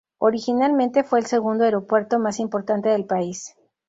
Originalmente fue el segundo aeropuerto más importante del país.